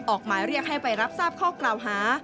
ออกหมายเรียกให้ไปรับทราบข้อกล่าวหา